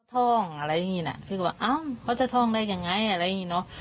ท่องอะไรอย่างนี้นะคิดว่าเอ้าเขาจะท่องได้ยังไงอะไรอย่างนี้เนอะ